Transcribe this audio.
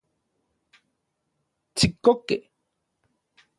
Tsikokej